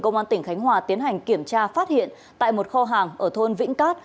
công an tỉnh khánh hòa tiến hành kiểm tra phát hiện tại một kho hàng ở thôn vĩnh cát